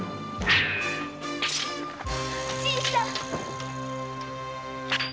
新さん！